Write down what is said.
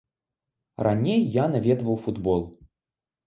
Раней я наведваў футбол.